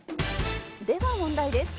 「では問題です」